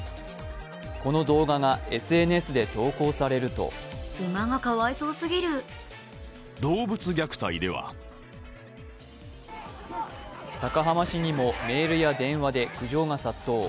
この動画がＳＮＳで投稿されると高浜市にもメールや電話で苦情が殺到。